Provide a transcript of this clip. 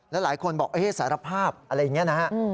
แล้วหลายคนบอกสารภาพอะไรอย่างนี้นะฮะ